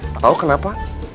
gak tau kenapa